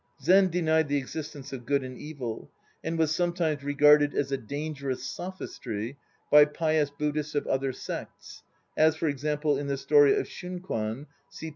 Zen denied the existence of Good and Evil, and was sometimes regarded as a dangerous sophistry by pious Buddhists of other sects, as, for example, in the story of Shunkwan (see p.